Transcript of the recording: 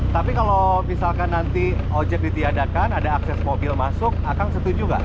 tapi kalau misalkan nanti ojek ditiadakan ada akses mobil masuk akang setuju nggak